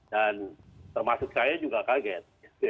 dan termasuk saya juga kaget